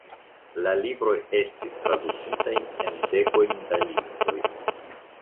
La libroj estis tradukitaj en dekojn da lingvoj.